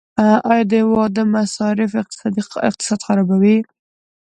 آیا د واده مصارف اقتصاد خرابوي؟